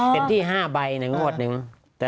ใช่ไหมชุดละ๕๒